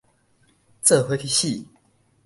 做伙去死